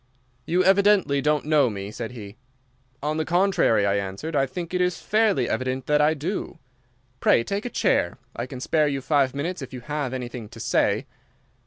"'You evidently don't know me,' said he. "'On the contrary,' I answered, 'I think it is fairly evident that I do. Pray take a chair. I can spare you five minutes if you have anything to say.